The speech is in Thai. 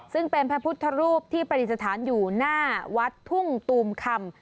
ซึ่งเป็นพระพุทธรูปที่ปฏิสถานอยู่หน้าวัดทุ่งตูมคำ